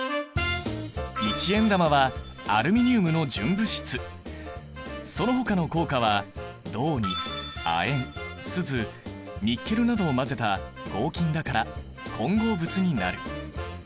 一円玉はそのほかの硬貨は銅に亜鉛スズニッケルなどを混ぜた合金だから混合物になる。